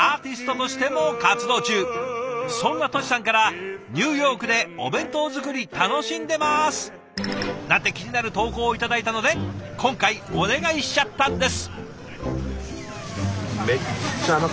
そんなトシさんから「ニューヨークでお弁当作り楽しんでます」なんて気になる投稿を頂いたので今回お願いしちゃったんです。